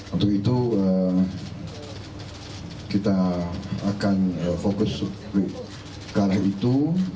untuk itu kita akan fokus ke arah itu